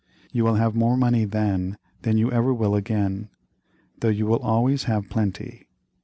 You will have more money then than you ever will again, though you will always have plenty.